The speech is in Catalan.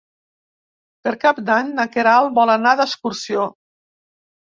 Per Cap d'Any na Queralt vol anar d'excursió.